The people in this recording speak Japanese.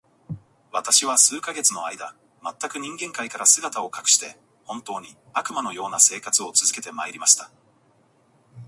私は数ヶ月の間、全く人間界から姿を隠して、本当に、悪魔の様な生活を続けて参りました。